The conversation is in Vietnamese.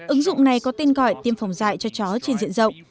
ứng dụng này có tên gọi tiêm phòng dạy cho chó trên diện rộng